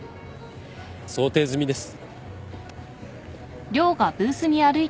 想定済みです。